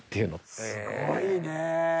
すごいね。